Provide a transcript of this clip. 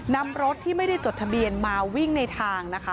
นำรถที่ไม่ได้จดทะเบียนมาวิ่งในทางนะคะ